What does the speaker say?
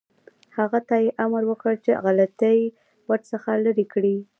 هغه ته یې امر وکړ چې غلطۍ ورڅخه لرې کړي.